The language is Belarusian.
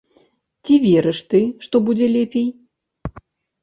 Ці верыш ты, што будзе лепей?